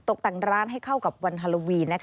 ตกแต่งร้านให้เข้ากับวันฮาโลวีน